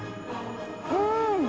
うん！